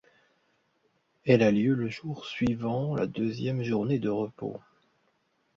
Elle a lieu le jour suivant la deuxième journée de repos.